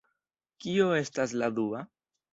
Kio estas la dua?